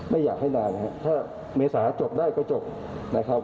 ไม่อยากให้นานถ้าเมษาจบได้ก็จบ